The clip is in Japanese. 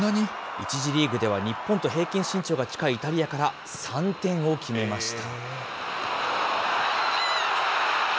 １次リーグでは日本と平均身長が近いイタリアから３点を決めました。